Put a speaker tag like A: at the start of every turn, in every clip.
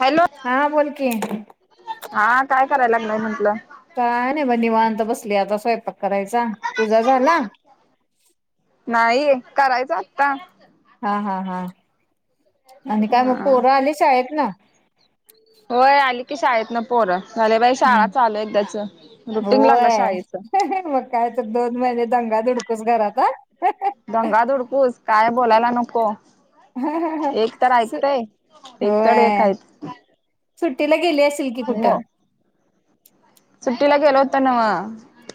A: Hello.
B: हा बोल की
A: हा काय कराय लागलाय? म्हंटलं.
B: काय नाही ब निवांत बसली आता स्वयंपाक करायचा. तुझा झाला?
A: नाही [unintelligible]
B: हा हा हा आणि काय मग
A: हा
B: पोरं आली शाळेत न?
A: होय आली की शाळेत ना पोर. झाले बाई
B: हम्म
A: शाळा चालू एकदाच रुटीन लागलं
B: होय
A: शाळेच.
B: मग काय तर दोन महिने दंगा धुडकूस घरात हा
A: दंगा धूडकूस काय बोलायला नको. एक तर
B: सु
A: ऐकतय एक तड एक
B: होय
A: आहेत.
B: सुट्टीला गेली असेल की
A: मग
B: कुठं
A: सुट्टीला गेलो होतो नव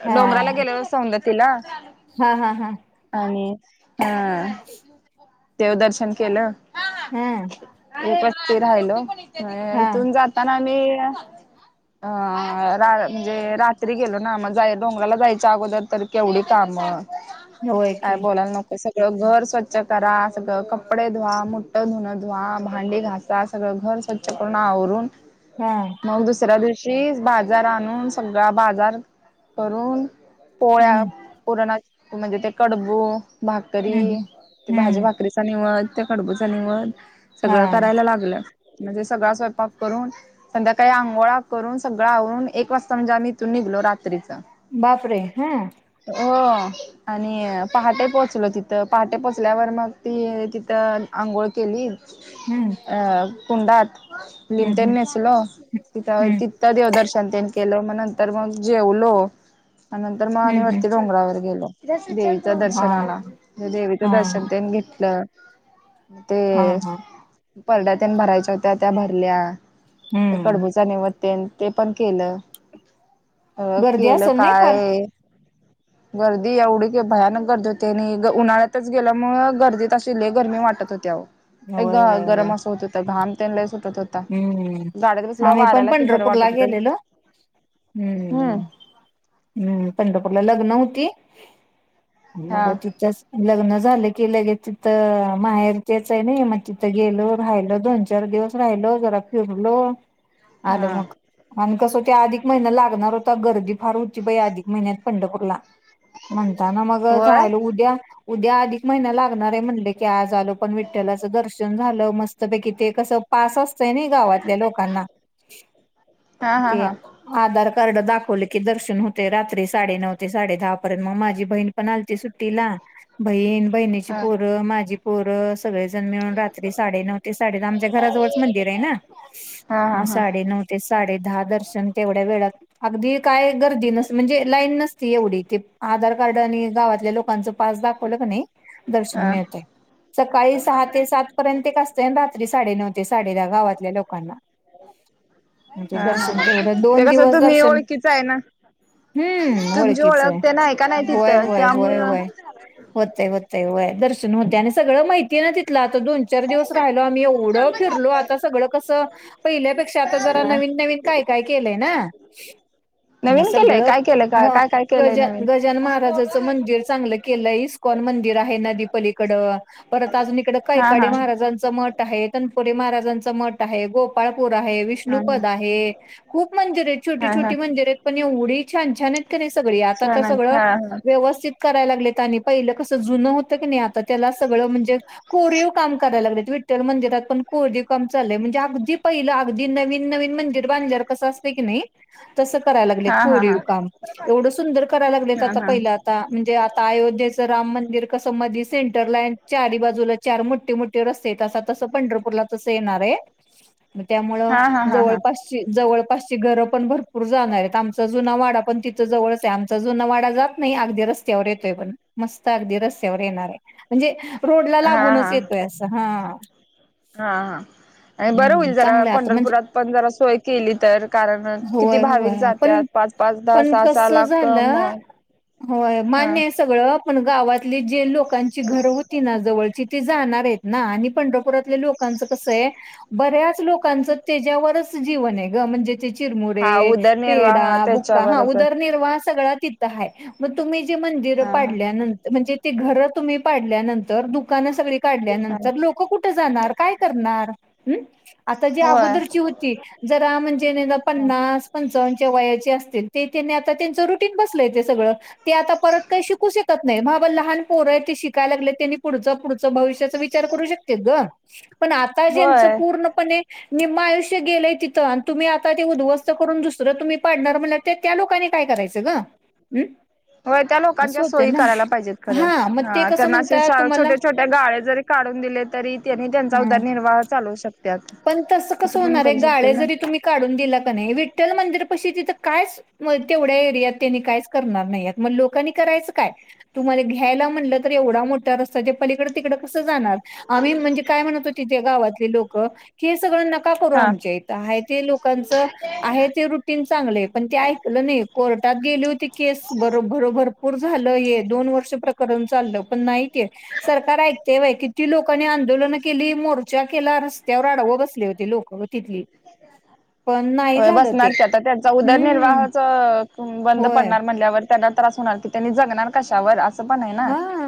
B: हा
A: डोंगराला गेलेलो सौदत्ती ला.
B: हा हा हा
A: आणि ह देव दर्शन केलं.
B: हम्म.
A: ते राहिल. इथून जाताना आमी अ रा म्हणजे रात्री गेलो ना मग जाय डोंगराला जायच्या अगोदर तर केवढी काम
B: होय की
A: काय बोलायला नको! सगळं घर स्वच्छ करा, सगळं कपडे धुवा, मोठ धुणं धुवा, भांडी घासा, सगळं घर स्वच्छ करून आवरून
B: हा
A: मग दुसऱ्या दिवशी बाजार आणून, सगळा बाजार करून पोळ्या,
B: हम्म
A: पुरणा म्हणजे ते कडबू,
B: हम्म
A: भाकरी
B: हम्म
A: ते भाजी
B: हम्म
A: भाकरीचा निवद, त्या कडबूचा निवद सगळं
B: हा
A: करायला लागलं. म्हणजे सगळा स्वयंपाक करून संध्याकाळी आंघोळा करून सगळं आवरून एक वाजता म्हणजे आम्ही इथून निघलो रात त्रिचं
B: बापरे हा
A: हो. आणि पहाटे पोहोचलो तिथ पहाटे पो ल्यावर मग ती तिथं आंघोळ केली
B: हम्म
A: अ कुंडात. लिंब
B: हम्म
A: तीन
B: हम्म
A: नेसलो तथ
B: हम्म
A: तीथ देवदर्शनंतन ग केल मग नंतर मग जेवलो नंतर मग
B: हम्म हम्म
A: आणिवती डोंगरावर गेलो. देवीच
B: हा
A: दर्शनाला म्हणे देवीचं
B: हा
A: दर्शन त्यांनी घेतलं,
B: हा
A: ते
B: हा
A: परड्यातीन भरायच्या होत्या त्या भरल्या.
B: हम्म
A: कडबुचे निवेद ते पण केलं. अ
B: गर्दी
A: केलं
B: असेल नाही फार
A: काय? गर्दी एवढी की भयानक गर्दी होते आणि उन्हाळ्यात च गेल्यामु गर्दीत असश गरमी वाटत होत्या
B: होय
A: ग
B: होय होय
A: गरम असं होत होत घाम तेन लय सुटत होता
B: हम्म
A: गाडीत बसल्यावर
B: आम्ही पण
A: वाऱ्याला कि बरं वाटत
B: पंढरपूरला
A: होतं.
B: गेलेलो. हम्म हम् पंढरपूरला. नव्हते
A: हा
B: पण तिथेच लग्न झालं की लगेच तिथं माहेर तेच आहे नाही मग तिथं गेलो राहिल दोन चार दिवस राहिलो. जरा फिरलो आणि आलो
A: हा
B: मग अधिक महिना लागणार होता गर्दी फार उची पई अधिक महिन्यात पंढरपूरला म्हणताना मग
A: होय
B: हाल उद्या उद्या अधिक महिना लागणार आहे म्हणले की आज आलो पण विठ्ठलाचं दर्शन झालं. मस्तपैकी ते कस पास अस गावातल्या लोकांना
A: हा हा हा
B: आ कर्ड दाखवले की दर्शन होते रात्री साडेनऊ ते साडे दहा पर्यंत मग माझी बहीण पण आलती सुट्टीला. बहिण बहिणीची
A: हा
B: पोरं, माझी पोरं सगळेजण मिळून रात्री साडे नऊ ते साडे आमच्या घराजवळच मंदिर आहे ना
A: हा हा
B: मग
A: हा हा
B: साडे नऊ ते साडे दहा दर्शन तेवढ्या वेळात अगदी काय गर्दी नस म्हणजे लाईन नसती एवढी ते आधार कार्ड आणि गावातल्या लोकांचं पा पास दाखवलं कणी दर्शन मिळत सकाळी सहा ते सात पर्यंत एक असत रात्री साडे नऊ ते साडे दहा गावातल्या लोकांना. म्हणजे
A: हा
B: दर्शन
A: ह
B: तेवढं
A: ते
B: दोन
A: कसं
B: दिवस
A: तुम्ही
B: दर्शन
A: ओळखीच आहे ना.
B: हम्म
A: तुमची
B: ओळखीच आहे.
A: ओळखते नाही का नाही
B: होय
A: तिथं
B: होय होय
A: त्यामुळं
B: होय. होतय होतेय व्हय. त्या आणि सगळं माहितीय ना तथलं. आता दोन चार दिवस राहिलो आम्ही. एवढं फिरलो आता सगळं कसं पहिल्यापेक्षा आता जरा
A: हा
B: नवीन नवीन काय काय केलंय ना? मग
A: नवीन केलंय
B: सगळं
A: काय केलं काय
B: ह.
A: काय काय केलंय
B: गजान
A: नवीन
B: गजानन महाराजाचं मंदिर चांगलं केलंय इस कोण मंदिर आहे नदीपलीकड. परत अजून इकड
A: हा
B: कैकाडे
A: हा
B: महाराजांचं मठ आहे. पुरी महाराजांचं मठ आहे. गोपाळ र आहे,
A: हा हा
B: विष्णुपद आहे खूप मंदिर आहेत. छोटी
A: हा हा
B: छोटी मंदिर आहेत. पण एवढी छान छान येत. ती सगळी आता तर
A: सण
B: सगळं
A: हा हा
B: व्यवस्थित करायला लागले आणि पहिलं कस जुन होत की नाही? आता त्या सगळं म्हणजे कोरीव काम करायला लाग विठ्ठल मंदिरात पण कोरीव काम चालले. म्हणजे, अगदी पहिला नवीन नवीन मंदिर. बायरजार कस असतंय की नाई? तस करायला लागलेत
A: हा हा हा
B: कोरीव काम. एवढ सुंदर करायला लागलेत
A: हा
B: आता
A: हा
B: पहिलं आता म्हणजे, आता अयोध्येचं राम मंदिर कसं मधे सेंटरला चार ही बाजूला चार मो मोठे रस्ते अस. तसं पंढर पूरला तसं येणार आहे. त्यामुळ
A: हा हा हा हा
B: जवळपास जवळपासची घर पण भरपूर जाणारे. आमचा जुना वाडा पण तिथं जवळच आहे आमचा जुना वाडा जात नाही अगदी रस्त्यावर येतोय. पण मस्त अगदी रस्त्यावर येणार आहे म्हणजे रोडला
A: हा
B: लागूनच
A: हा
B: येतोय. ते असं हा.
A: हा हा. आणि बरं
B: हम्म
A: होईल जरा
B: चांगलं आहे आता म्हणजे
A: पंढरपुरात पण जरा सोय केली तर, कारण किती
B: होय
A: भाविक
B: होय
A: जात्यात
B: पण
A: पाच पाच दहा
B: पण
A: सहा सहा
B: कसं
A: लाख
B: झालं
A: मग
B: होय मान्य आहे सगळं, पण गावातली जे लोकांची घरं होती ना जवळची तीच जाणार आहेत ना आणि पंढ जे लोकांचं कसंय, बऱ्याच लोकांचं त्याच्यावरच जीवन आहे गं, म्हणजे चे
A: हा
B: चिरमुरे,
A: उदरनिर्वाह
B: पेढा, बुक्का हा
A: त्याच्यावरच आहे
B: उदरनिर्वाह हा सगळा तिथं हाय, म तुम्ही ते मंदिरं
A: हा हा
B: पाडल्यानंतर म्हणजे ते घर तुम्ही पाडल्यानंतर दुकानं स सगळी
A: हा
B: काढल्यानंतर लोकं कुठं जाणार? काय करणार? हम्म. आता जी
A: होय
B: अगोदरची होती, जरा म्हणजे पन्नास पंचावन्नच्या वयाची असतील. ते त्यांनी आता त्यांचं रुटीन बसलंय ते सगळं. ते आता परत काही शिकू शकत नाही, बाबा लहान पोरं आहेत ते शिकाय लागले त्यांनी पुढंच पुढंच भविष्याच विचार करू शकतेत गं, पण आता ज्यांचं
A: होय
B: पूर्णपणे निम्म आयुष्य गेलंय तिथं‌ आणि तुम्ही आता ते उद्ध्वस्त करून दुसरं तुम्ही पाडणार म्हणल्यावर त त्या लोकांनी काय करायचं गं? हम्म.
A: होय त्या लोकांच्या सोयी करायला पाहिजेत खरं,
B: मग ते
A: हा
B: कसं
A: त्यांना असे
B: म्हणतात तुम्हाला
A: छोट्या छोट्या गाळे जरी काढून दिले तरी त्यांनी त्यांचा
B: ह
A: उदरनिर्वाह चालवु शक
B: पण तसं कसं होणार आहे गाळे
A: ना
B: जरी तुम्ही काढून दिला का नाही विठ्ठल मंदिर पशी तिथं कायच म तेवढ्या एरियात त्यांनी कायच करणार नाहीयेत, मग लोकांनी करायचं काय? तुमा ला घ्यायला म्हटलं तर एवढा मोठा रस्ता ते पलीकडं तिकडं कसं जाणार? आम्ही म्हणजे काय म्हणतो ते गावातले लोकं, की हे सगळं नका करू
A: हा
B: आमच्या इथं, हाय ते लोक कांच आहे ते रु टीन चांगले पण ते ऐकलं नाही, कोर्टात गेली होती केस बर भर भरपूर झालं हे दोन वर्ष प्रकरण चाललं पण नाही ते, सरकार ऐकतय व्हय, किती लोकांनी आंदोलन केली मोर चा केला. रस्त्यावर आडवं बसले होते लोकं तिथली. पण नाही
A: अ
B: झालं ते
A: बसणार की, आता त्यांचा
B: हम्म
A: उदरनिर्वाहच अ बंद
B: होय
A: पडणार म्हणल्यावर त्यांना त्रास होणार. त्यांनी जगणार कशावर? अस
B: हा,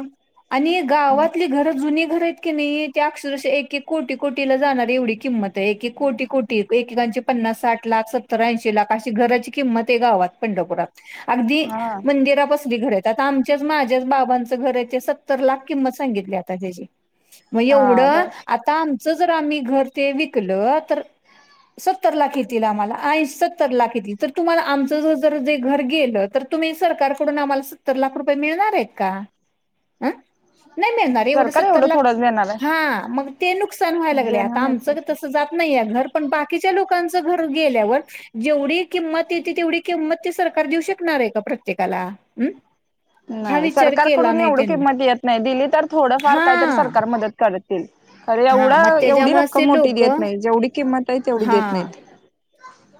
B: आणि गावातली घरं जुनी घर आहेत की नाही? त्या अक्षरश एक एक कोटी कोटीला जाणारी एवढी किंमत आहे एक कोटी कोटी एकेकांचे पन्नास साठ लाख सत्तर ऐंशी लाख अशी घराची किंमत आहे, गावात पंढपुरात. अगदी
A: हा
B: मंदिरा पसली घर येत. आता आमच्याच माझ्याच बाबां घर आहे ते सत्तर लाख किंमत सांगितली आता त्याची. मग
A: हा
B: एवढं
A: बर
B: आता आमचं जर, आम्ही घर ते विकल तर सत्तर लाख येतील आम्हाला, आ सत्तर लाख येतील तर तुम्हाला आमचं जर जे घर गेलं तर तुम्ही सरकारकडून आम्हाला सत्तर लाख रुपये मिळणार आहेत का? आ नाही मिळणारे एवढं
A: सरकार
B: सत्तर ला
A: थोडंच देणार आहे
B: हा मग ते नुकसान व्हायला लागले,
A: देणार
B: आता
A: नाही
B: आमचं
A: सरकार
B: तस जात नाहीया घर. पण बाकीच्या लोकांच घर गेल्यावर जेवढी किंमत येते तेवढी किंमत ते सरकार देऊ शकणार हाय का, प्रत्येकाला. हा
A: नाही
B: विचार केला
A: सरकारकडून
B: नाही
A: एवढं
B: त्यांनी
A: किंमत येत नाही दिली, तर थोडंफार
B: हा
A: काय तर सरकार मदत करतील. अरे!
B: हा
A: एवढा
B: मग
A: एवढी
B: त्याच्यामुळेच
A: रक्कम
B: ते
A: मोठी
B: लोक
A: देत नाही जेवढी किंमत आहे तेवढी देत
B: हा
A: नाहीत.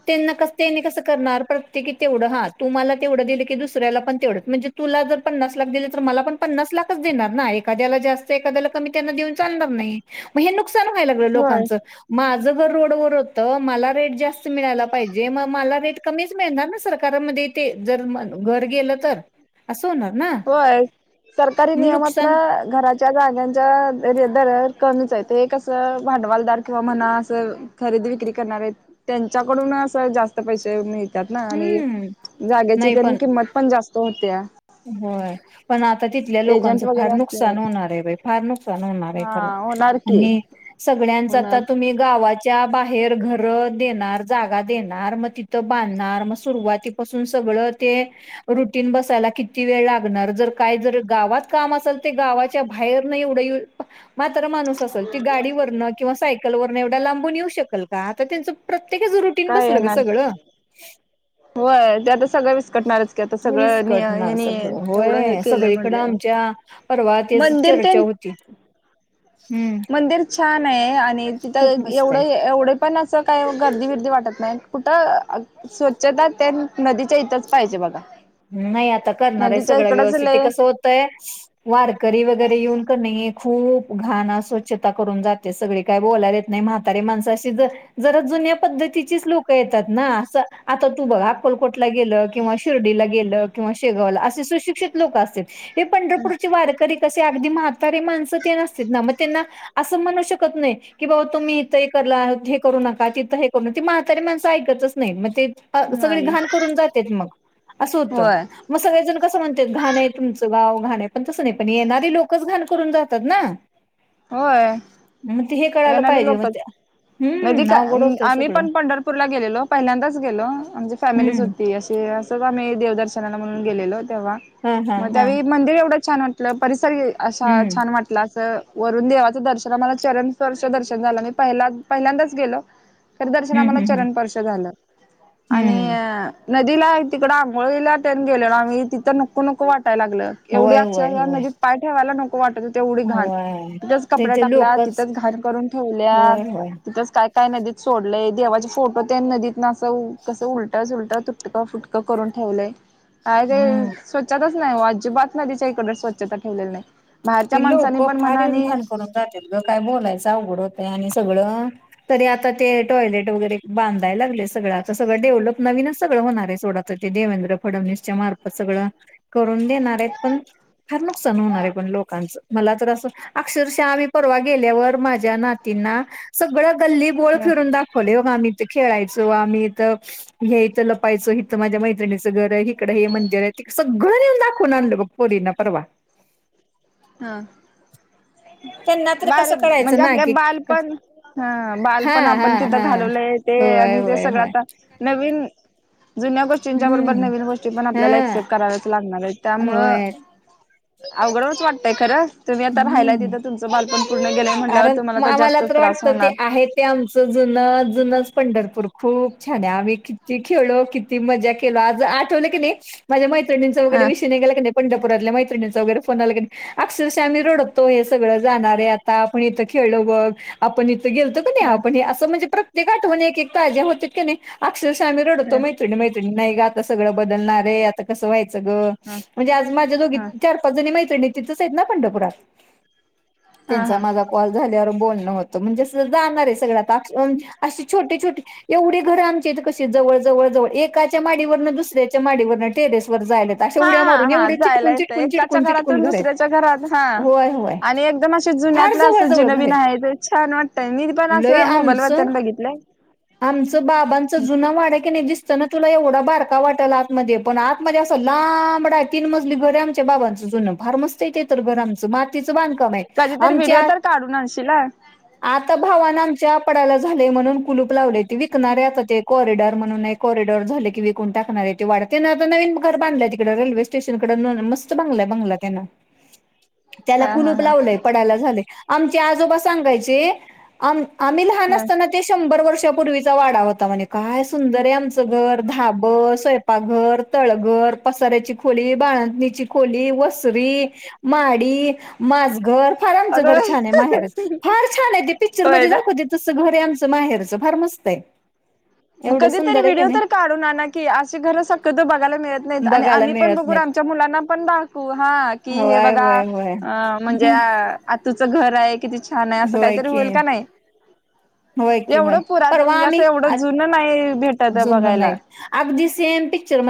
B: त्यांना क त्यांनी कसं करणार प्रत्येकी तेवढं हा तुम्हाला तेवढं दिलं की दुसऱ्याला पण तेवढं म्हणजे तुला जर पन्नास लाख दिले तर मला पण पन्नास लाखच देणार ना, एखाद्याला जास्त एखाद्याला कमी त्यांना देऊन चालणार ना ही म हे नुकसान व्हाय लागलं
A: होय
B: लोकांचं माझ घर रोडवर होत, मला रेट जास्त [unintelligible] मिळाला पाहिजे म मला [unintelligible] कमीचं मिळणार ना सरकार मध्ये ते जर म घर गेल तर होणार ना
A: होय. सरकारी नियमात ना
B: नुकसान
A: घराच्या जाग्यांच्या द दर कमीच हायत ते कसं भांडवालदार किंवा म्हणा असं खरेदी विक्री करणार आहेत, त्यांच्याकडून असं जास्त पैसे मित ना आणि
B: हम्म
A: जागेची
B: नाही
A: त्या
B: पण
A: किंमत पण जास्त होते्या
B: होय पण आता आता तिथल्या
A: एजंट
B: लोकांच
A: वगैरे
B: फार
A: असल्यावर
B: नुकसान होणार आहे बा फार नुकसान होणार आहे खर
A: हा होणार की
B: आणि स सग जाता
A: होणार
B: तुमही गाात च्या बाहेर घर देणार जागा देणार मग तिथं बांधणार मग सुरुवातीपासून स स ते रुट बसाला क किती वेळ लागणार जर काय जर गावात काम असेल तर गावाच्या बाहेर नाही एवढं मात्र माणूस असेल ती गाडीवररं किंवा सायकल वरन एवढा लांबून येऊ शकल का आता त्यांचं प्रत्य ते त्याचं रुटीन
A: काय
B: बसलं ग
A: येणार
B: सगळं
A: होय ते आता सगळं विस्कटणारच की आता सगळं
B: विस्कटणार सगळं
A: एवढ हे
B: होय
A: केलं
B: सगळीकडं
A: म्हवर
B: आमच्या परवा तेच
A: मंदिर
B: चर्चा होती हम्म
A: मंदिर छान आहे आणि
B: खूप
A: तिथं
B: मस्त आहे.
A: एवढं एवढे पण असं काही गर्दी फिर्दी वाटत नाही कुठं स्वच्छता त्या नदीच्या इथंच पाहिजे बघा
B: नाही आता करणार आहे
A: नदीच्या
B: सगळं
A: इकडच
B: व्यवस्थित
A: लय
B: कसं होतय वारकरी वगैरे येऊन करण खूप घण स्वछता करून जाते सगळी काही बोलायला येत नाही म्हातारारी माणसाशी ज जुन्या पद्धतीचीच लोक येतात ना अस आता तू बघा अक्कलकोटला गेलं किंवा शिर्डीला गेलं किंवा शेगावला असे सुशिक्षित लोक अस पंढरपूरचे वारकरी कग माण ते नसत ना मग त्यांना असं म्हणू शकत नाही की बा तुम्ही इथ तिथ हे कर म्हातारी माणं ऐकतच नाही मग ते सगळी
A: नाही
B: घाण करून जात मग असं होतं
A: होय
B: मग सगळेजण कसं म्हणतात घाण आहे तुमचं ग घाण आहे पण तसं नाही पण येणारी लोकच घाण करून जातात ना
A: होय
B: मग ते हे कळायला पाहिजे मग त्या
A: न का आम्ही पण पंढरपूरला गेलेलो पहिल्यांदाच गेलो आमची फॅमिलीच
B: हम्म
A: होती अशी अस आम्ही देवदर्शनाला म्हणून गेलेलो तेव्हा
B: हा हा
A: मग
B: हा
A: त्यावेळी मंदिर एवढं छान वाटलं परि असा
B: हम्म
A: छान म्हटलं असं वरून देवाचं दर्शन आम्हाला चरण स्पर्श दर्शन झालं मी पहि पहिल्यांदाच गेलो तर दर्शन
B: हम्म
A: आम्हाला
B: हम्म हम्म
A: चरणपर्श झालं आणि
B: हम्म
A: नदीला तिकड आंघोळीला टन गेलेलो आम्ही तिथं नको नको वाट लागलं एवढी
B: होय होय
A: आ
B: होय
A: नदीत पाय ठेवायला नको वाटत तेवढी घाण
B: होय
A: तिथंच
B: ते
A: कपड्या
B: ते
A: टाकल्या
B: लोकच
A: तिथंच घर करून ठेवल्या
B: होय होय
A: तिथंच काय काय नाही त सोड य देवाचे फोटो ते नदीत ना कसं उलट उलट तुटकं फुटकं करून ठेवलंय काय ते
B: हम्म
A: स्वच्छताच नाही अजिबात नाही तिच्या इकडे स्वच्छताेलेली नाही बाहेरच्या
B: ती लोक
A: माणसांनी पण
B: फार
A: म्हणा
B: येऊन
A: आणि
B: घान करून जातील ल काय बोलायचं अवघड होतं आणि सगळ तरी आता ते टॉयलेट वगैरे बांधायला लागले सगळे सगळंचं सगळं डेव्हलप नवीनच सगळं होणार आहे सोडाच देवेंद्र फडणवीसच्या मार्फत सगळं करून देणार आहेत पण फार नुकसान होणार आहे पण लोक मला तर अस अक्षरशः आम्ही परवा गेल्यावर माझ्या सगळ गल्ली बळ
A: ह
B: फिरून दाखवले हो आम खेळायचो आम्ही इथं ह्या इथं लपायचो इथं माझ्या मैत्रिणीचं घर इिकडं हे मंदिर आहे त सगळं नेऊन दाखवून आणल पोरीना परवा
A: हा
B: त्यांना तर
A: बर
B: कसं कळायचं
A: म्हणजे
B: ना
A: आपले
B: की
A: बाल पण ह बाल
B: हा
A: पण
B: हा
A: आपण तिथं
B: हा
A: घालवलं
B: होय
A: ते ते
B: होय होय
A: सगळं आ नवीन जुन्या गोष्टींच्या बरोबर
B: हम्म
A: नवीन गोष्टी पण आपल्याला
B: हा
A: एक्सपेक्ट कराव्याच लागणार आहे त्यामु
B: होय
A: अवघडच वाटतय खरं तुम्ही आता राहिलाय
B: हम्म
A: तिथं तुमचं बालपण पूर्ण गेलंय म्हणल्यावर
B: कारण
A: तुम्हाला
B: म
A: तर जास्तच त्रास होणार
B: जु जुनाच पंढरपूर खूप छान आहे आम्ही किती खेळो किती मजा केलो आज आठवलं की नाही माझ्या माह मं वगैर
A: हा
B: विषय नाही [unintelligible] आ् रडतो हे सगळ जाणार आहे आता आपण इथ खेळलो बघ आपण. गेलतो का नाही
A: हा
B: आपण हे असं म्हणजे प्रत्येक आठवण एक ताज्या होत का नाही, अक्षरश आम्ही रडतो
A: हा
B: मैत्रणी -मैत्रणी नाही ग आता सगं बदलणार आहे आता कसं माहि. ं
A: हा
B: म्हणजे आज माझ्या दोघी
A: हा
B: चार पाच जणी मैत्रिणी तिथंच आहेत ना पंढरपुरात.
A: हा
B: त्यांचा
A: हा
B: माझा कॉल झाल्यावर, बोलणं होतं म्हणजे जाणार आहे सगळ्या अशी छोटे छोटे एवढी घरं आमची कशी, जवळ जवळ जवळ एकाच्या माडीवर दुसऱ्याच्या माडीवर टेरेस, जाय आहेत अशा
A: हा
B: उड्या
A: हा
B: मारून या उड्या चिटकून चिकून चिटकून चिटकून घर आहेत.
A: घात हा
B: होय होय
A: आणि एकदम
B: फार
A: जुन्यालं अस
B: जवळ
A: जी
B: जवळ घर
A: नवीन
B: आहेत.
A: आहे ते छान वाटत मी पण,
B: लय आमचं
A: मोबालवत्न बघितले
B: आमचं बाबांचा जुन वाडा, नाही दिसत ना तुला एवढा बारका वाटेल आत म पण आत म असं लांबडा तीन मजली घरी आमच्या बाबांचं जन फारमस्त तररमच माती, [unintelligible]
A: कधीतरी व्हिडिओ
B: [unintelligible]
A: तर काढून आणशील हा
B: आतावा पडाला झाले म्हणून कुलूप लावले विकणार ते कॉरिडॉर म्हणून कॉरिडॉर झाले, णार ते वा आता नवीन घर बांधलंय तिकड रेल्वे स्टेशनकड मस्त बांगलाय बांला त्यांना, त्याला
A: हा
B: कुलूप
A: हा
B: लावलय पडायला झालंय आमचे आजोबा सांगायचे. आम आम्ही लहान
A: हा
B: असताना ते शंभर वर्ष पूर्वीचा वाडा होता म्हणज काय सुंदर आहे आमचं घर धाबर स्वयंपाघर तळघर, पसऱ्याची खोळी बाळांनीची खोली वसरी माडी माजघर फार आमचं घर
A: अगं
B: छान आहे माहेरच फार छान आहे ते
A: होय
B: पिक्चरमध्ये
A: ना
B: दाखवते तसं घर आहे आमच. माहेरचं फार मस्त आहे.
A: मग
B: एवढं
A: कधीतरी
B: सुंदर आहे की
A: व्हिडिओ
B: नाही
A: तर काढून ना की अशी घर सक्त तो बघायला मिळत. नाही आणि
B: बघायला
A: आम्ही पण
B: मिळत
A: बघू
B: नाहीत
A: आमच्या मुलांना पण दाखवू हा कि हे
B: होय
A: बघा
B: होय होय
A: अ म्हणजे आतुचं घर आहे. किती छान आहे असं
B: होय
A: काहीतरी
B: की
A: होईल, का नाही
B: होय कि होय
A: एवढं पुर
B: परवा
A: म्हणजे असं
B: आम्ही
A: एवढं. जुन नाही भेटत
B: जुनं
A: बघायला.
B: नाही अगदी सेम पिक्चर म